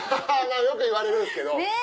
よく言われるんすけど。